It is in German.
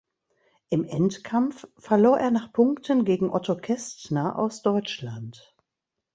Im Endkampf verlor er nach Punkten gegen Otto Kästner aus Deutschland.